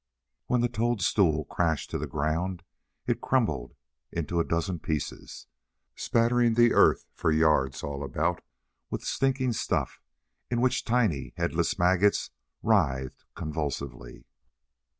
When the toadstool crashed to the ground, it crumbled into a dozen pieces, spattering the earth for yards all about with stinking stuff in which tiny, headless maggots writhed convulsively.